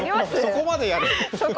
そこまでやる